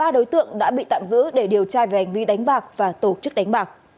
ba đối tượng đã bị tạm giữ để điều tra về hành vi đánh bạc và tổ chức đánh bạc